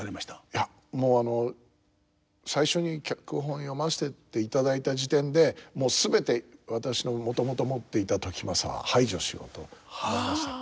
いやもう最初に脚本を読ませていただいた時点でもう全て私のもともと持っていた時政は排除しようと思いました。